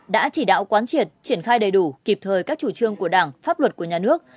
đã chỉ đạo quán triệt triển khai đầy đủ kịp thời các chủ trương của đảng pháp luật của nhà nước